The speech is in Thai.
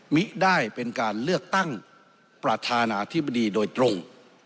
มิได้เป็นการเลือกตั้งประธานาธิบดีโดยตรง